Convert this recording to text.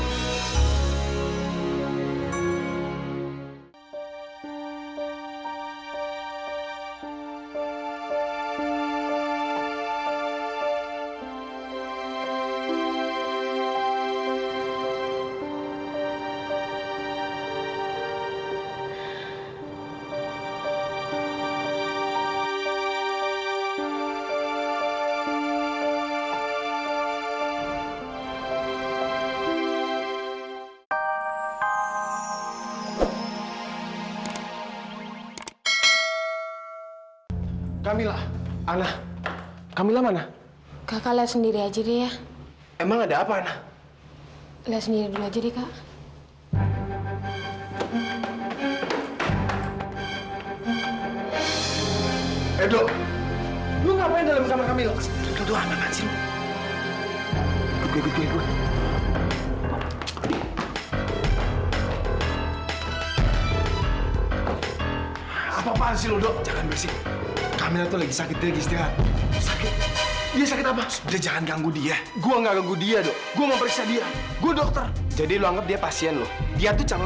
sampai jumpa di video selanjutnya